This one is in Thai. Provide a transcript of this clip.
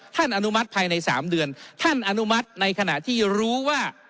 อนุมัติภายใน๓เดือนท่านอนุมัติในขณะที่รู้ว่า